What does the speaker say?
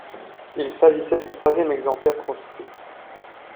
Il s'agissait du troisième exemplaire construit.